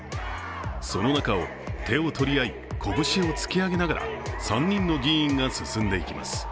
その中を手を取り合い、拳を突き上げながら３人の議員が進んでいきます。